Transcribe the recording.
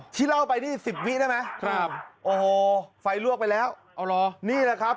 ที่เล่าไปนี่๑๐วิได้ไหมครับโอ้โฮไฟลวกไปแล้วนี่แหละครับ